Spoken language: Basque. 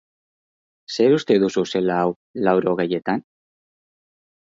Zer uste duzu zela hau laurogeietan?